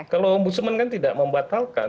kalau om busman kan tidak membatalkan